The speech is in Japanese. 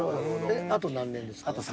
あと何年ですか？